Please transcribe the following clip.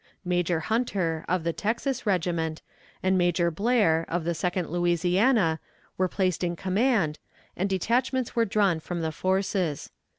Major Hunter, of the Texas regiment, and Major Blair, of the Second Louisiana, were placed in command, and detachments were drawn from the forces.